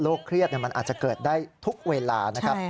เครียดมันอาจจะเกิดได้ทุกเวลานะครับ